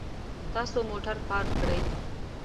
تاسو موټر پارک کړئ